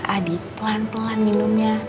adi pelan pelan minumnya